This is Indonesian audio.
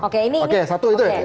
oke satu itu ya